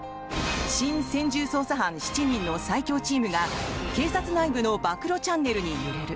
新専従捜査班７人の最強チームが警察内部の暴露チャンネルに揺れる。